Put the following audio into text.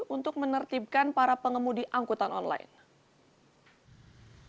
untuk menertibkan para pengemudi angkutan online